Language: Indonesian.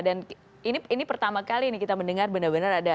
dan ini pertama kali kita mendengar benar benar ada